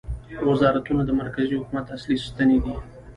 وزارتونه د مرکزي حکومت اصلي ستنې دي